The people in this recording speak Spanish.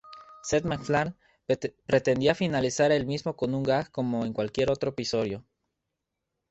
Seth MacFarlane pretendía finalizar el mismo con un gag como en cualquier otro episodio.